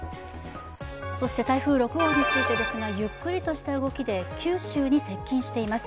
そして台風６号についてですが、ゆっくりとした動きで九州に接近しています。